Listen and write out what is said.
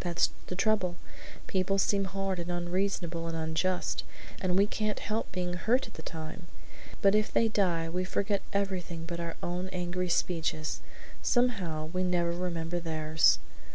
"That's the trouble. People seem hard and unreasonable and unjust, and we can't help being hurt at the time, but if they die we forget everything but our own angry speeches; somehow we never remember theirs.